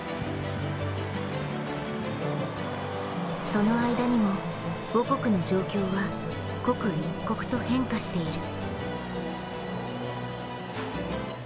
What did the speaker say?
その間にも、母国の状況は刻一刻と変化している。